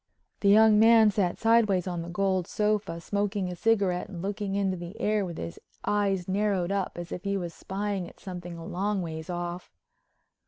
The young man sat sideways on the gold sofa, smoking a cigarette and looking into the air with his eyes narrowed up as if he was spying at something a long ways off.